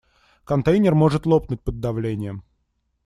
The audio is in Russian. Контейнер может лопнуть под давлением.